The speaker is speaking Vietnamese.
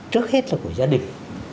trước hết là của gia đình